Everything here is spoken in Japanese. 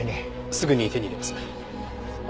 すぐに手に入れます。